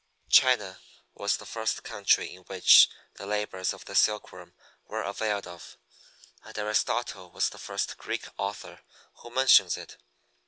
China was the first country in which the labors of the Silkworm were availed of, and Aristotle was the first Greek author who mentions it.